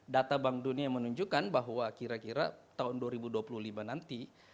data bank dunia menunjukkan bahwa kira kira tahun dua ribu dua puluh lima nanti